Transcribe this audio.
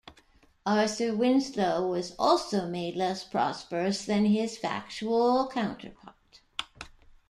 Arthur Winslow was also made less prosperous than his factual counterpart.